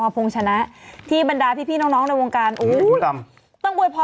พาพงษ์ชนะที่บรรดาพี่พี่น้องน้องในวงการอู๋ต้องอวยพร